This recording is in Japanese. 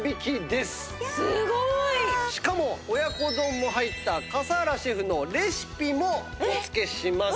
すごい！しかも親子丼も入った笠原シェフのレシピもお付けします。